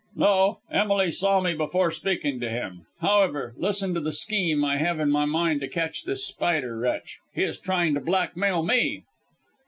"No. Emily saw me before speaking to him. However, listen to the scheme I have in my mind to catch this Spider wretch. He is trying to blackmail me."